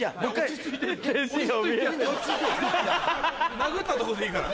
殴ったとこでいいから。